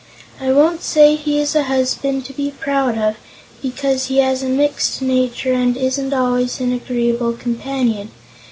I won't say he is a husband to be proud of, because he has a mixed nature and isn't always an agreeable companion.